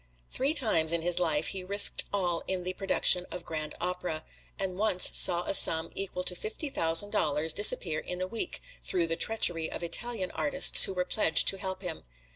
Three times in his life he risked all in the production of Grand Opera, and once saw a sum equal to fifty thousand dollars disappear in a week, through the treachery of Italian artists who were pledged to help him.